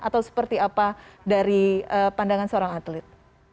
atau seperti apa dari pandangan seorang atlet